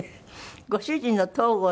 ご主人の東郷さん